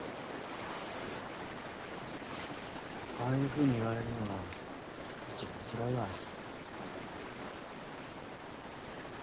ああいうふうに言われるのが一番つらいわ。